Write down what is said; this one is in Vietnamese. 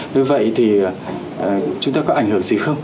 như vậy thì chúng ta có ảnh hưởng gì không